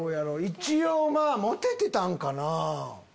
一応モテてたんかな？